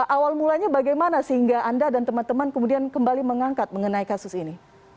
awal mulanya bagaimana sehingga anda dan teman teman kemudian kembali mengangkat mengenai kasus ini